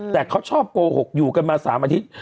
แต่เขาชอบโกหกอยู่กันมา๓อาทิตย์